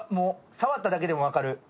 触っただけでも分かる。